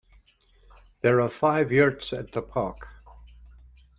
There are five yurts at the park.